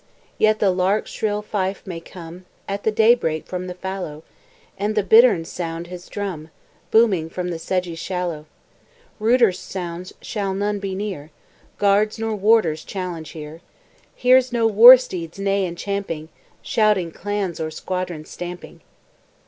Yet the lark's shrill fife may come At the daybreak from the fallow, And the bittern sound his drum, Booming from the sedgy shallow. Ruder sounds shall none be near, Guards nor warders challenge here, Here's no war steed's neigh and champing, Shouting clans or squadrons stamping."